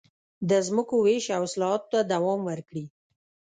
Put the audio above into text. د ځمکو وېش او اصلاحاتو ته دوام ورکړي.